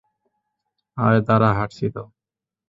আরে দাঁড়া, হাঁটছি তো।